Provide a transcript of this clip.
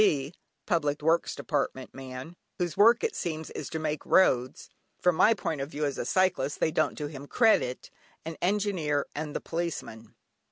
(Public Works Department) man, whose work, it seems, is to make roads (from my point of view as a cyclist they don't do him credit), an Engineer, and the Policeman.